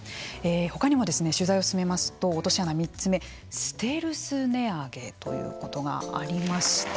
他にも取材を進めますと落とし穴３つ目ステルス値上げということがありました。